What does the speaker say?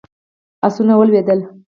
آسونه ولوېدل.